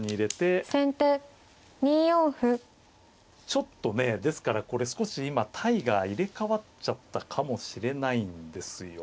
ちょっとねですからこれ少し今体が入れ代わっちゃったかもしれないんですよ。